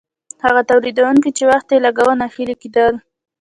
هغه تولیدونکي چې وخت یې لګاوه ناهیلي کیدل.